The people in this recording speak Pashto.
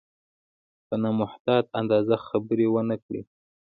په نامحتاط انداز خبرې ونه کړي.